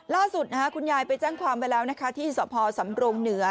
ล่าสุดคุณยายไปแจ้งความไปแล้วนะคะที่สพสำรงเหนือ